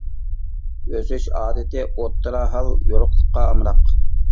ئۆسۈش ئادىتى ئوتتۇرا ھال يورۇقلۇققا ئامراق.